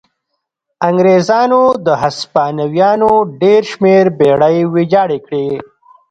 انګرېزانو د هسپانویانو ډېر شمېر بېړۍ ویجاړې کړې.